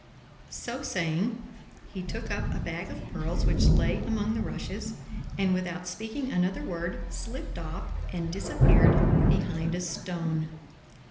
So saying, he took up a bag of pearls which lay among the rushes, and without speaking another word, slipped off and disappeared behind a stone.